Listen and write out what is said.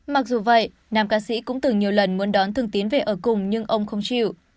mặc dù vậy nam ca sĩ cũng từ nhiều lần muốn đón thương tiến về ở cùng nhưng ông không chịu